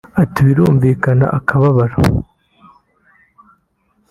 Ati “Birumvikana akababaro